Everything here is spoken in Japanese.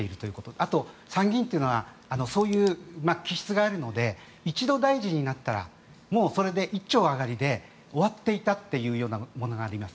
あと、参議院というのはそういう気質があるので一度大臣になったらもうそれで一丁上がりで終わっていたというものがあります。